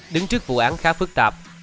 đứng trước vụ án khá phức tạp